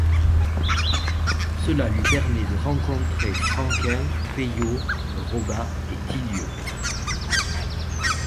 Cela lui permet de rencontrer Franquin, Peyo, Roba et Tillieux.